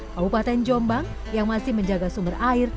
kabupaten jombang yang masih menjaga sumber air